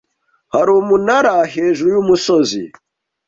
Hari umunara hejuru yumusozi.